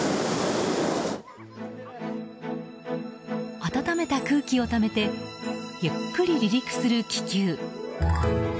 温めた空気をためてゆっくり離陸する気球。